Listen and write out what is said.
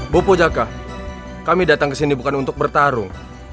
bopo jaka kami datang kesini bukan untuk bertarung